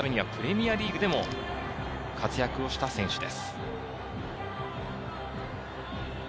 プレミアリーグでも、活躍をした選手です。